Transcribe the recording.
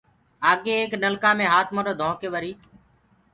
آگي ايڪ نلڪآ مي هآت موڏو ڌوڪي وريٚ